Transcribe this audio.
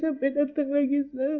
apa yang dijual governor